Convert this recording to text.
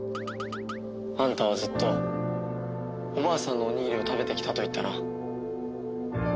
あんたはずっとおばあさんのおにぎりを食べてきたと言ったな。